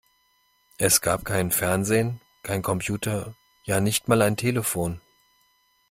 Es gab kein Fernsehen, keinen Computer, ja, nicht mal ein Telefon!